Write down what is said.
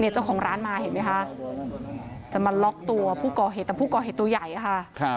เจ้าของร้านมาเห็นไหมคะจะมาล็อกตัวผู้ก่อเหตุแต่ผู้ก่อเหตุตัวใหญ่ค่ะ